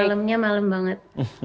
malamnya malam banget